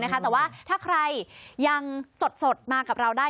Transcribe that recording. แต่ว่าถ้าใครยังสดมากับเราได้